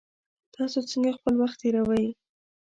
تاسو څنګه خپل وخت تیروئ؟